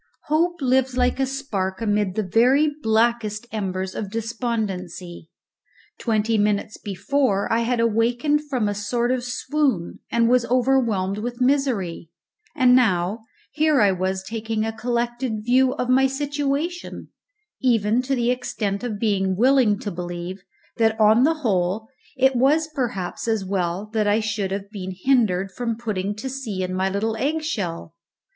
Hope lives like a spark amid the very blackest embers of despondency. Twenty minutes before I had awakened from a sort of swoon and was overwhelmed with misery; and now here was I taking a collected view of my situation, even to the extent of being willing to believe that on the whole it was perhaps as well that I should have been hindered from putting to sea in my little eggshell.